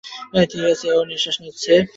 ঠিক আছে, ও নিশ্বাস নিচ্ছে।